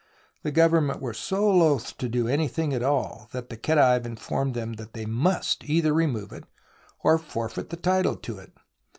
The Government were so loath to do anything at all that the Khedive informed them they must either remove it, or forfeit the title to it.